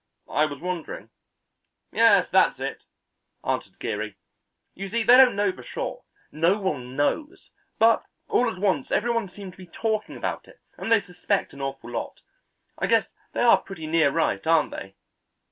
I was wondering." "Yes, that's it," answered Geary. "You see they don't know for sure; no one knows, but all at once every one seemed to be talking about it, and they suspect an awful lot. I guess they are pretty near right, aren't they?"